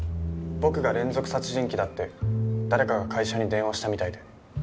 僕が連続殺人鬼だって誰かが会社に電話したみたいで。